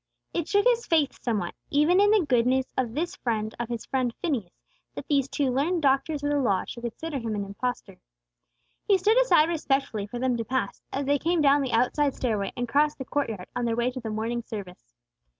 It shook his faith somewhat, even in the goodness of this friend of his friend Phineas, that these two learned doctors of the Law should consider Him an impostor. He stood aside respectfully for them to pass, as they came down the outside stairway, and crossed the court yard on their way to the morning service.